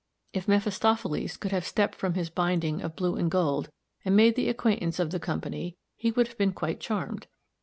If Mephistophiles could have stepped from his binding of blue and gold, and made the acquaintance of the company, he would have been quite charmed.